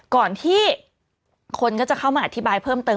ก่อนที่คนก็จะเข้ามาอธิบายเพิ่มเติม